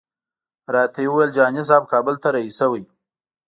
راته ویې ویل جهاني صاحب کابل ته رهي شوی.